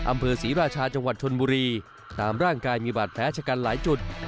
อำเภอศรีราชาจังหวัดชนบุรีตามร่างกายมีบาดแผลชะกันหลายจุด